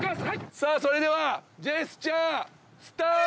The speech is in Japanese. さあそれではジェスチャースタート！